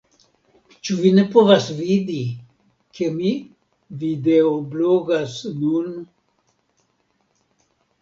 Ĉu vi ne povas vidi, ke mi videoblogas nun